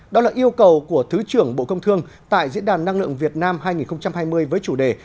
đó là yêu cầu của thứ trưởng bộ công thương tại diễn đàn năng lượng việt nam hai nghìn hai mươi với chủ đề